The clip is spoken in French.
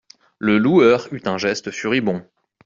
Le loueur eut un geste furibond.